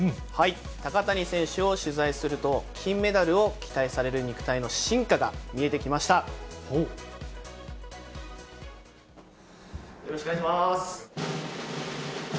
高谷選手を取材すると、金メダルを期待される肉体の進化が見えてきました。